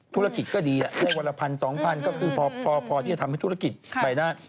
ธุรกิจก็ดีพวกวันละพันสองพันก็คือพอที่จะทำให้ธุรกิจไปได้